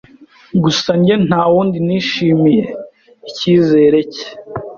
Gusa njye ntawundi nishimiye ikizere cye